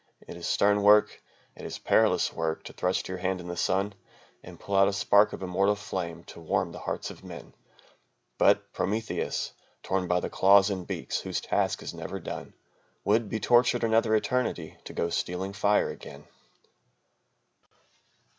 It is stern work, it is perilous work, to thrust your hand in the sun And pull out a spark of immortal flame to warm the hearts of men: But Prometheus, torn by the claws and beaks whose task is never done, Would be tortured another eternity to go stealing fire again."